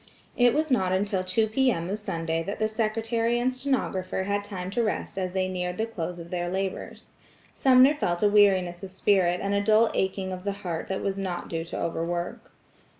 It was not until two P.M. of Sunday that the secretary and stenographer had time to rest as they neared the close of their labors. Sumner felt a weariness of spirit and a dull aching of the heart that was not due to overwork.